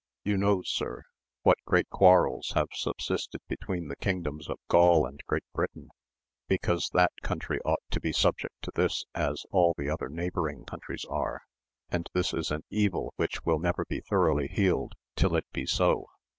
You know sir what great quarrels have subsisted between the kingdoms of Gaul and Great Britain, because that country ought to be subject to this as all the other neighbouring countries are, and this is an evil which will never be thoroughly healed till it be so.